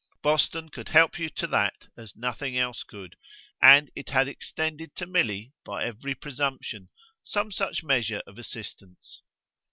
Boston could help you to that as nothing else could, and it had extended to Milly, by every presumption, some such measure of assistance.